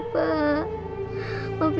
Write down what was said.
jangan bawa bapak billy pak